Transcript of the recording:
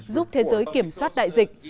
giúp thế giới kiểm soát đại dịch